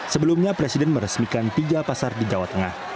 sebelumnya presiden meresmikan tiga pasar di jawa tengah